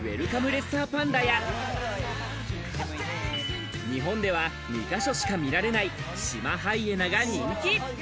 レッサーパンダや日本では２か所しか見られないシマハイエナが人気。